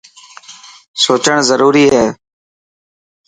سوچڻ ضروري هي.